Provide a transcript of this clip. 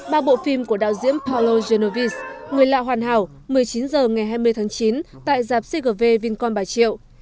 ba bộ phim của đạo diễn paolo genovese người lạ hoàn hảo một mươi chín h ngày hai mươi tháng chín tại giáp cgv vincon bà triệu